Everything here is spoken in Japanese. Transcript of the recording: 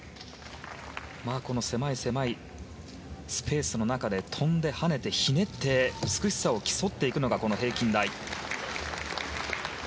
この狭い狭いスペースの中で跳んで、跳ねて、ひねって美しさを競っていくのがこの平均台。